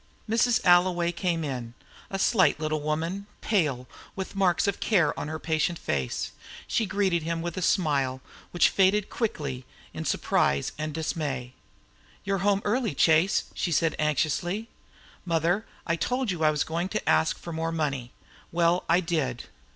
Mrs. Alloway came in, a slight little woman, pale, with marks of care on her patient face. She greeted him with a smile, which faded quickly in surprise and dismay. "You're home early, Chase," she said anxiously. "Mother, I told you I was going to ask for more money. Well, I did.